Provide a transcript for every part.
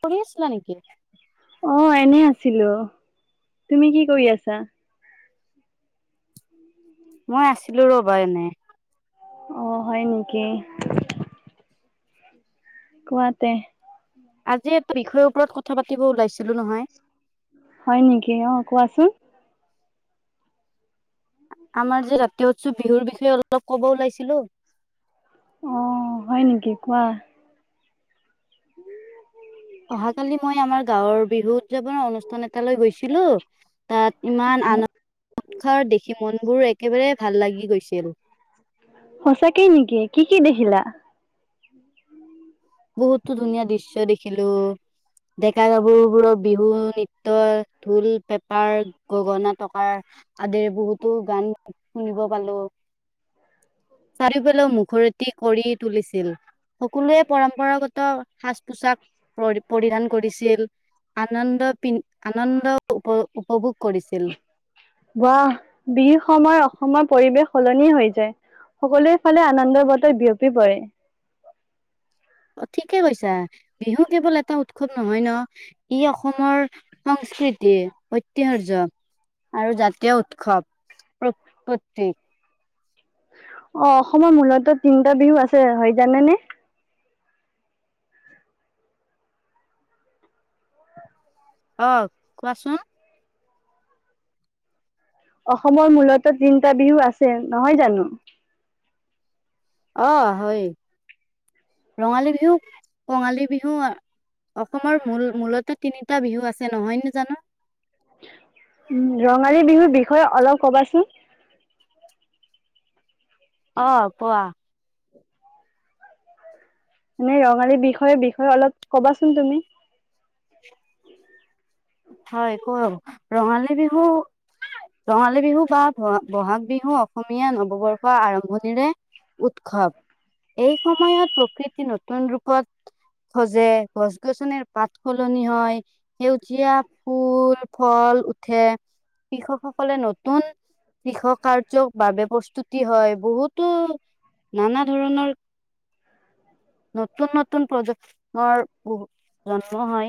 পঢ়ি আছিলা নেকি? অ এনে আছিলো তুমি কি কৰি আছা‌‌? মই আছিলো ৰ'বা এনে, আহ হয় নেকি? কোৱাতে। আজি এটা বিষয়ৰ ওপৰত কথা পাতিব ওলাইছিলো নহয়। হয় নেকি অহ কোৱাচোন। আমাৰ যে জাতীয় উৎসৱ বিহুৰ বিষয়ে অলপ কব ওলাইছিলো। অহ, হয় নেকি কোৱা। [inaudible] অহাকালি মই আমাৰ গাঁৱৰ বিহু উদযাপনৰ অনুষ্ঠান ন এটা লৈ গৈছিলো তাত ইমান আনা [unintelligible] ৰসৰ দেখি মন বোৰ একেবাৰে ভাল লাগি গৈছিল। সঁচাকেই নেকি কি কি দেখিলা? বহুতো ধুনীয়া দৃশ্য দেখিলো ডেকা গাভৰুবোৰৰ বিহু নৃত্য ঢোল পেপাৰ গগনা তকাৰ আদিৰ বহুতো গান শুনিব পালো চাৰিওফালেও মুখৰেতী কৰি তুলিছিল। পৰম্পৰাগত সাজ পোছাক পৰি- পৰিধান কৰিছিল আনন্দ পিন্ধ আনন্দ উপ- উপভোগ কৰিছিল ৱাহ বিহু সময় অসমৰ পৰিৱেশ সলনি হৈ যায় সকলোৱে ফালে আনন্দৰ বতৰ বিয়পি পৰে। অহ, ঠিকে কৈছা বিহু কেৱল এটা উৎসৱ নহয় ন ই অসমৰ সংস্কৃতি ঐতিহাৰ্য আৰু জাতীয় উৎসৱ প্ৰ- প্ৰতীক। অহ, অসমৰ মূলত তিনটা বিহু আছে হয় জানে নে? অহ, কোৱাচোন। অসমৰ মূলত তিনটা বিহু আছে নহয় জানো। অহ, হয় ৰঙালী বিহু, কঙালী বিহু অসমৰ মূল মূলত তিনিটা বিহু আছে নহয় নে জানো। উম, ৰঙালী বিহুৰ বিষয়ে অলপ কবাচোন। অহ, কোৱা। মানে ৰঙালী বিষয়ে- বিষয়ে অলপ কবাচোন তুমি। হয় কম ৰঙালী বিহু- ৰঙালী বিহু বা বহাগ বিহু অসমীয়া নৱবৰ্ষৰ আৰম্ভণিৰে উৎসৱ এই সময়ত প্ৰকৃতি নতুন ৰূপত খজে গছ গছনিৰ পাত সলনি হয় সেউ জীয়া ফুল ফল উঠে কৃষকসকলে নতুন কৃষ কাৰ্যৰ বাবে প্ৰস্তুতি হয় বহুতো নানা ধৰণৰ [inaudible] নতুন- নতুন প্ৰজন্মৰ বহু জন্ম হয়।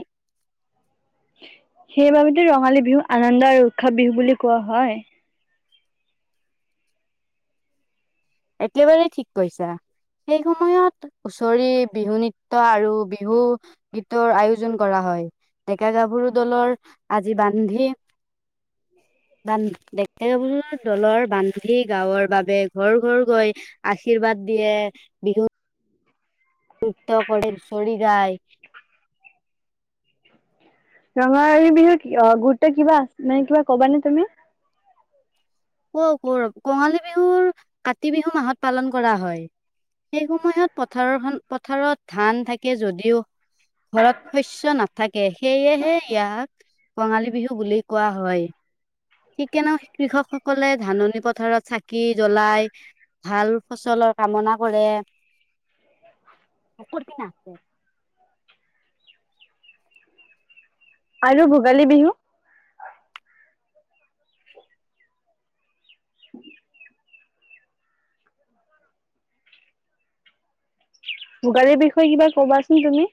সেইবাবেটো ৰঙালী বিহু আনন্দ আৰু উৎসৱ বিহু বুলি কোৱা হয়। একেবাৰে ঠিক কৈছা সেই সময়ত হুচৰি বিহু নৃত্য আৰু বিহু গীতৰ আয়োজন কৰা হয় ডেকা গাভৰু দলৰ আজি বান্ধি বান্ধ ডেকা গাভৰু দলৰ বান্ধি গাঁৱৰ বাবে ঘৰ- ঘৰ গৈ আশীৰ্বাদ দিয়ে বিহু নিত্য কৰে হুচৰি গায়। ৰঙালী বিহুৰ অহ, গুৰুত্ব কিবা মানে কিবা কবানে তুমি? [unintelligible] কঙালী বিহুৰ কাতি বিহু মাহত পালন কৰা হয় সেই সময়ত পথাৰৰ হন পথাৰত ধান থাকে যদিও ঘৰত শস্য নাথাক কে সেয়েহে ইয়াক কঙালী বিহু বুলি কোৱা হয়। ঠিক কেনেও কৃষকসকলে ধাননি পথাৰত চাকি জ্বলাই ভাল ফচলৰ কামনা কৰে [unintelligible] আৰু ভোগালী বিহু? ভোগালীৰ বিষয়ে কিবা কবাচোন তুমি?